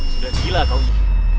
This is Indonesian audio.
sudah gila kau nyi